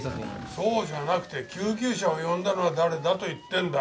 そうじゃなくて救急車を呼んだのは誰だと言ってるんだ。